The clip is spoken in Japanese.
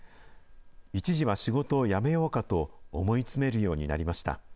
一時は仕事を辞めようかと思い詰めるようになりました。